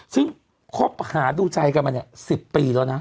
ซึ่งคบหาดูใจกันมาเนี่ย๑๐ปีแล้วนะ